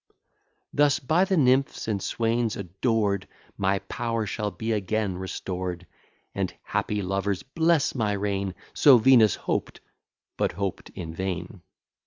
Thus by the nymphs and swains adored, My power shall be again restored, And happy lovers bless my reign So Venus hoped, but hoped in vain.